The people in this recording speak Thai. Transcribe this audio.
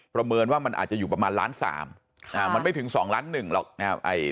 ประเมินว่ามันอาจจะอยู่ประมาณล้านสามมันไม่ถึงสองล้านหนึ่งหรอก